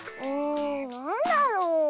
なんだろう？